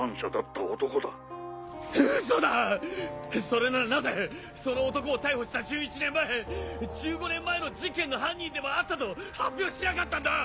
それならなぜその男を逮捕した１１年前１５年前の事件の犯人でもあったと発表しなかったんだ！